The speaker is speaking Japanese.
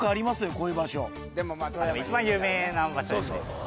こういう場所一番有名な場所ですね